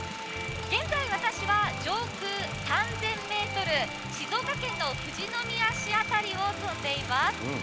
現在、私は上空３０００ｍ、静岡県の富士宮市辺りを飛んでいます。